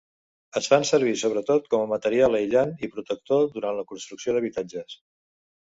Es fa servir sobretot com a material aïllant i protector durant la construcció d'habitatges.